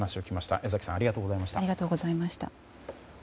江崎さんありがとうございました。